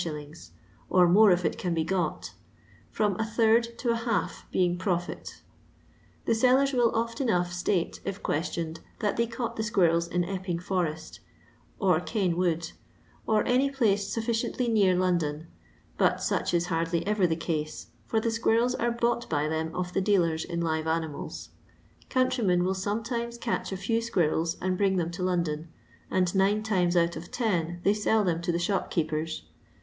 or more if it can be got, " from a third to a half being profit The sellers will oft enough state, if questioned, that they caught the squirrels in Bpping Forest, or Caen Wood, or any place sufficiently near London, but*such is hardly ever the case, for the squirrels are bought by them of the dealers in live animals. Countrymen will sometimes catch a few squirrels and bring them to London, and nine times out of ten they sell them to the shop> keepers.